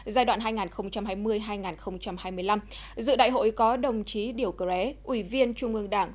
giai đoạn hai nghìn hai mươi hai nghìn hai mươi năm dự đại hội có đồng chí điều cơ ré ủy viên trung ương đảng